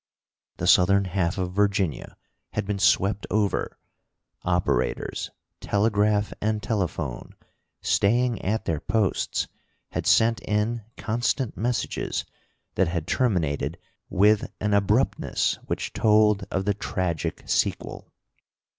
The southern half of Virginia had been swept over. Operators, telegraph and telephone, staying at their posts had sent in constant messages that had terminated with an abruptness which told of the tragic sequel.